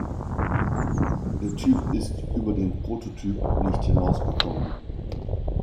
Der Typ ist über den Prototyp nicht hinausgekommen.